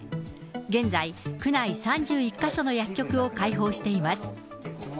現在、区内３１か所の薬局を開放しています。